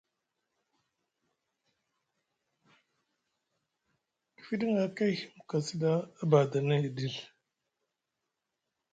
Ki fidiŋa koy mu kasi ɗa a badani hiɗil.